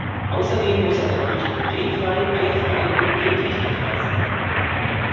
Außerdem muss er natürlich glutenfrei, eifrei und gentechnikfrei sein.